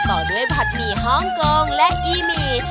ต่อด้วยผัดหมี่ฮ่องกงและอีหมี่